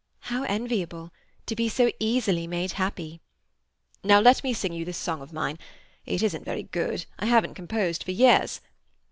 "How enviable! To be so easily made happy." "Now let me sing you this song of mine. It isn't very good; I haven't composed for years.